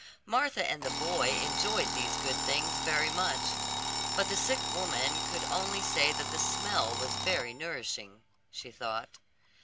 Martha and the boy enjoyed these good things very much; but the sick woman could only say that the smell was very nourishing, she thought.